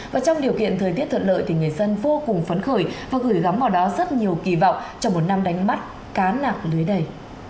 và trong điều kiện thời tiết thuận lợi thì người dân vô cùng phấn khởi và gửi gắm vào đó rất nhiều kỳ vọng trong một năm đánh bắt cá nặng lưới đầy